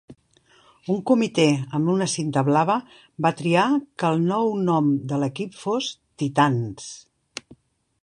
Un comitè amb una cinta blava va triar que el nou nom de l'equip fos "Titans".